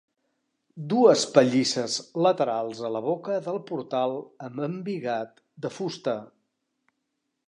Dues pallisses laterals a la boca del portal amb embigat de fusta.